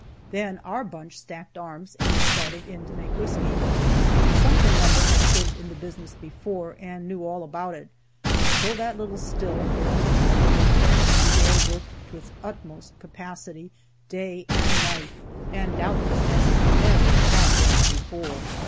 Then our bunch stacked arms, and started in to make whisky. Some of the number had served in the business before, and knew all about it, so that little still there in the hollow was then and there worked to its utmost capacity, day and night, and doubtless as it never had been before.